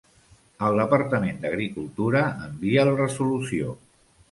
El Departament d'Agricultura envia la resolució.